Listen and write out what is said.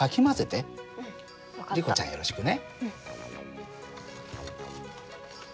リコちゃんよろしくね。